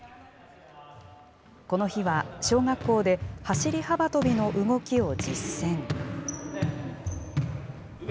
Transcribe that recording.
この日は小学校で、走り幅跳びの動きを実践。